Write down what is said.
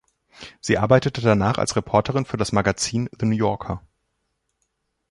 Sie arbeitete danach als Reporterin für das Magazin "The New Yorker".